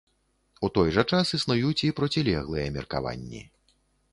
У той жа час існуюць і процілеглыя меркаванні.